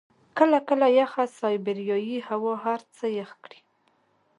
کله کله یخه سایبریايي هوا هر څه يخ کړي.